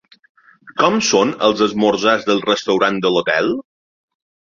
Com són els esmorzars del restaurant de l'hotel?